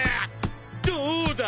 どうだ！？